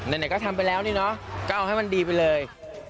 ในนั้นก็ทำไปแล้วก็เอาให้มันดีไปเลย